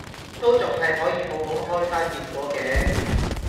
都仲係可以好好開花結果嘅